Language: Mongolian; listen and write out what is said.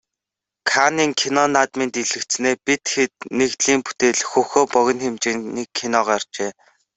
Каннын кино наадмын дэлгэцнээ "Бид хэд" нэгдлийн бүтээл "Хөхөө" богино хэмжээний кино гарчээ.